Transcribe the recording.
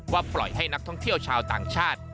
ปล่อยให้นักท่องเที่ยวชาวต่างชาติ